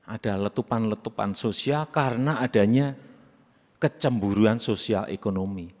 ada letupan letupan sosial karena adanya kecemburuan sosial ekonomi